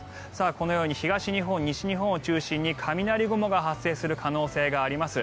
このように東日本、西日本を中心に雷雲が発生する可能性があります。